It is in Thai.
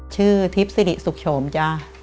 ชื่อทิพย์สิริสุขโฉมจ้ะ